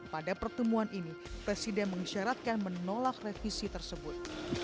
pada pertemuan ini presiden mengisyaratkan menolak revisi tersebut